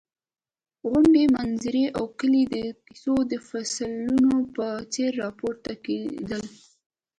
غونډۍ، منظرې او کلي د کیسو د فصلونو په څېر راپورته کېدل.